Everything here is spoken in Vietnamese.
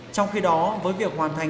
trong khi đó với việc hoàn thành